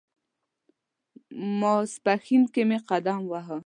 ماپښین کې مې قدم واهه.